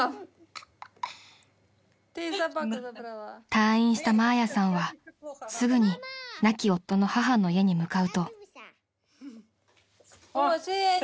［退院したマーヤさんはすぐに亡き夫の母の家に向かうと］